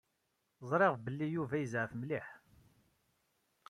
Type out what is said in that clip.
Ẓriɣ belli Yuba yezɛef mliḥ.